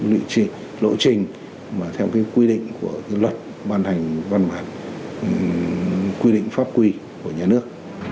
vị trí lộ trình theo quy định của luật ban hành văn bản quy định pháp quy của nhà nước